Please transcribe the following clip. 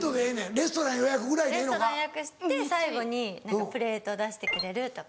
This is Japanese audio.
レストラン予約して最後にプレート出してくれるとか。